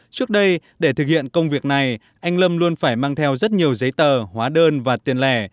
trước đây để thực hiện công việc này anh lâm luôn phải mang theo rất nhiều giấy tờ hóa đơn và tiền lẻ